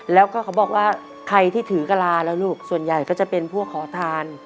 แล้วก็เขาบอกว่าใครที่ถือกะลาแล้วลูกส่วนใหญ่ก็จะเป็นพวกขอทาน